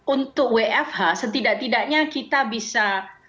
untuk wfh setidak tidaknya kita bisa